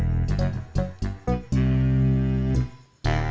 gondol yang kemana mana